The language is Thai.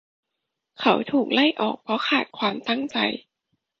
เขาถูกไล่ออกเพราะขาดความตั้งใจ